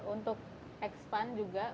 untuk expand juga